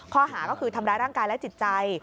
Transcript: ข้อหาก็คือทำร้ายร่างกายและจิตใจ